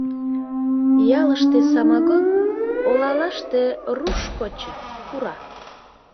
Ялыште самогон, олалаште — «руш кочо», пура...